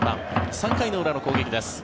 ３回の裏の攻撃です。